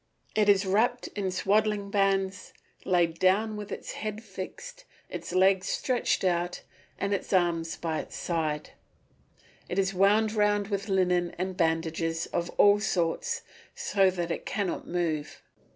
It is wrapped in swaddling bands, laid down with its head fixed, its legs stretched out, and its arms by its sides; it is wound round with linen and bandages of all sorts so that it cannot move.